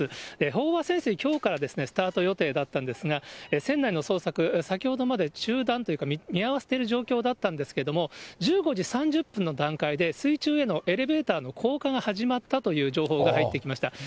飽和潜水、きょうからスタート予定だったんですが、船内の捜索、先ほどまで中断というか、見合わせている状況だったんですけれども、１５時間３０分の段階で、水中へのエレベーターの降下が始まったという情報が入ってきました。